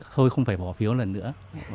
thôi không phải bỏ phiếu lần nữa